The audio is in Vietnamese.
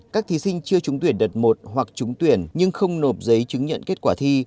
các thí sinh chưa trúng tuyển đợt một hoặc trúng tuyển nhưng không nộp giấy chứng nhận kết quả thi